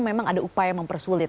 memang ada upaya mempersulit